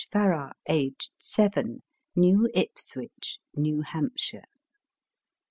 Farrar, aged seven, New Ipswich, New Hampshire.)